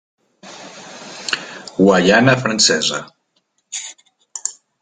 Guaiana Francesa.